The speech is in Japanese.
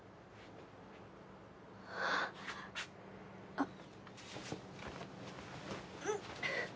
あっ。